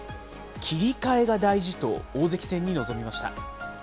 切り替えが大事と、大関戦に臨みました。